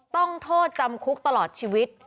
ต้องโทษจำคุกตลอดชีวิต